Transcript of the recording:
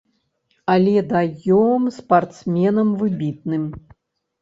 Але даём спартсменам выбітным.